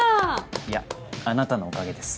いやあなたのおかげです。